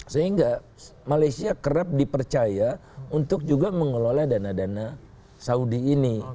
sehingga malaysia kerap dipercaya untuk juga mengelola dana dana saudi ini